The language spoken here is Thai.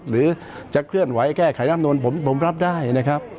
หรือจะเคลื่อนไหวแก้ไขรำนวนผมรับได้นะครับ